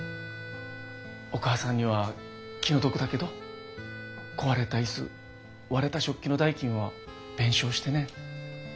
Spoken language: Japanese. お母さんには気の毒だけど壊れた椅子割れた食器の代金は弁償してね。